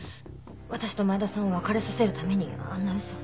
私と前田さんを別れさせるためにあんな嘘。